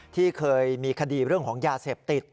ที่เคยมีคดีเรื่องของยาเสพติด